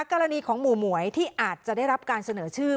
กรณีของหมู่หมวยที่อาจจะได้รับการเสนอชื่อ